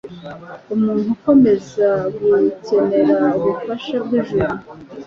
umuntu akomeza gukenera ubufasha bw'ijuru.